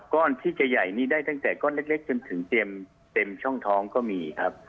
ก้อนที่จะใหญ่นี่ได้ตั้งแต่ก้อนเล็กจนถึงเต็มช่องท้องก็มีครับ